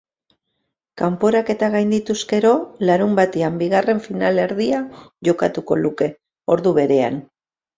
Kanporaketa gaindituz gero, larunbatean bigarren final-erdia jokatuko luke, ordu berean.